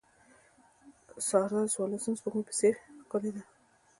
سارده د څوارلسم سپوږمۍ په څېر ښکلې ده.